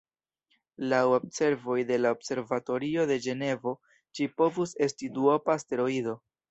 Laŭ observoj de la Observatorio de Ĝenevo, ĝi povus esti duopa asteroido.